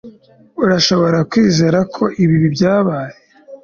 Urashobora kwizera ko ibi byabaye